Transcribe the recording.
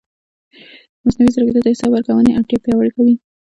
مصنوعي ځیرکتیا د حساب ورکونې اړتیا پیاوړې کوي.